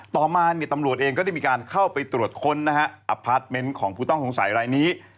ต่อมาเนี่ยตำรวจเองก็ได้มีการเข้าไปตรวจค้นนะฮะอพาร์ทเมนต์ของผู้ต้องสงสัยรายนี้